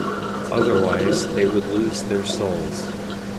Otherwise they would lose their souls.